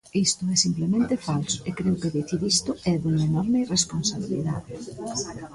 Isto é simplemente falso e creo que dicir isto é dunha enorme irresponsabilidade.